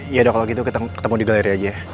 yaudah kalau gitu kita ketemu di galeri aja ya